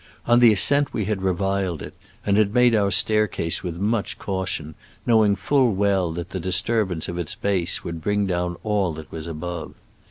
On the ascent we had reviled it, and had made our staircase with much caution, knowing full well that the disturbance of its base would bring down all that was above.